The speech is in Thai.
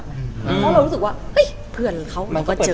เพราะเรารู้สึกว่าเฮ้ยเพื่อนค่ะเราก็เจอ